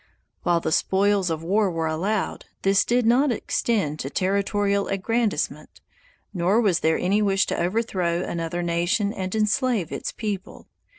While the spoils of war were allowed, this did not extend to territorial aggrandizement, nor was there any wish to overthrow another nation and enslave its people.